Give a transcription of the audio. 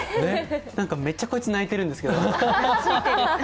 めっちゃこいつ、鳴いてるんですけどなついてる。